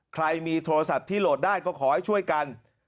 ใครมีโทรศัพท์ที่โหลดได้ก็ขอให้ช่วยกัน